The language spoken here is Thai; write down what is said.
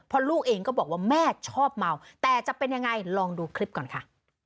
เพราะลูกเองก็บอกว่าแม่ชอบเมาแต่จะเป็นยังไงลองดูคลิปก่อนค่ะ